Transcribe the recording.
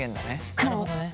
なるほどね。